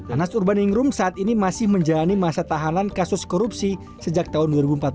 anas urbaningrum saat ini masih menjalani masa tahanan kasus korupsi sejak tahun dua ribu empat belas